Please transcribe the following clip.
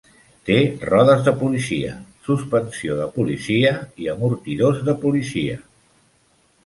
Té rodes de policia, suspensió de policia i amortidors de policia.